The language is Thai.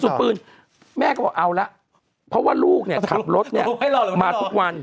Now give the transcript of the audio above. ปืนแม่ก็บอกเอาละเพราะว่าลูกเนี่ยขับรถเนี่ยมาทุกวัน